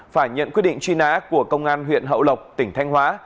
phải nhận quyết định truy nã của công an huyện hậu lộc tỉnh thanh hóa